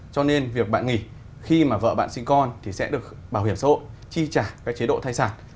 cho nên việc bạn nghỉ khi mà vợ bạn sinh con thì sẽ được bảo hiểm xã hội chi trả các chế độ thai sản